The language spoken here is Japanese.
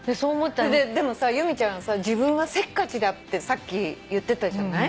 でも由美ちゃんさ自分はせっかちだってさっき言ってたじゃない。